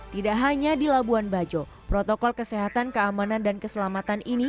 tidak hanya di labuan bajo protokol kesehatan keamanan dan keselamatan ini